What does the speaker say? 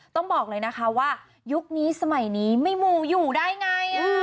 ต้องบอกเลยนะคะว่ายุคนี้สมัยนี้ไม่มูอยู่ได้ไง